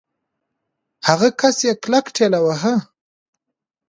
هغه کس يې کلک ټېلوهه.